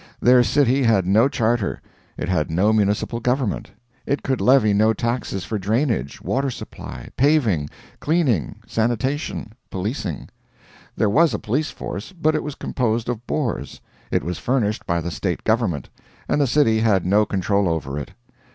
Their city had no charter; it had no municipal government; it could levy no taxes for drainage, water supply, paving, cleaning, sanitation, policing. There was a police force, but it was composed of Boers, it was furnished by the State Government, and the city had no control over it.